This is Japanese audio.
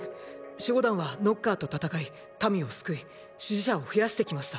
守護団はノッカーと戦い民を救い支持者を増やしてきました。